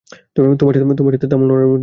তোমার সাথে তামিলনাড়ু যাব আমি।